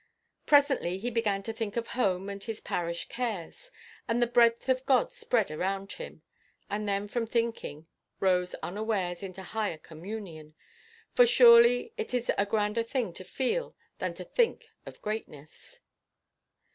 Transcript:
Presently he began to think of home and his parish cares, and the breadth of God spread around him; and then from thinking rose unawares into higher communion, for surely it is a grander thing to feel than to think of greatness.